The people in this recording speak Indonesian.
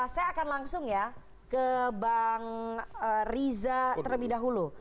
saya akan langsung ya ke bang riza terlebih dahulu